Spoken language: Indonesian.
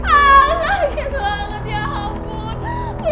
awww sakit banget ya ampun